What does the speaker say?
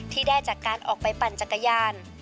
ที่ได้จากการออกไปปั่นจักรยาน